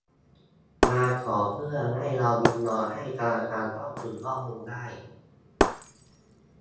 มาขอเพื่อให้เรายินยอมให้ธนาคารเข้าถึงข้อมูลได้